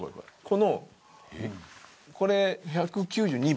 このこれ１９２番。